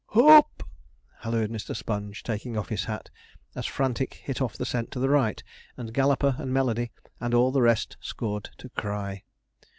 'Hoop!' hallooed Mr. Sponge, taking off his hat, as Frantic hit off the scent to the right, and Galloper, and Melody, and all the rest scored to cry.